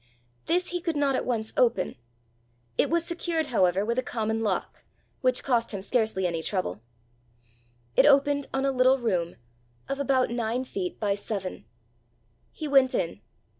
This he could not at once open. It was secured, however, with a common lock, which cost him scarcely any trouble. It opened on a little room, of about nine feet by seven. He went in.